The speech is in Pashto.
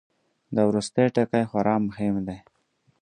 دا وروستی ټکی خورا مهم دی.